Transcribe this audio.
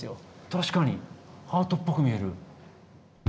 確かにハートっぽく見える。